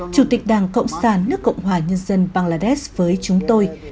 chủ tịch đảng cộng sản nước cộng hòa nhân dân bangladesh với chúng tôi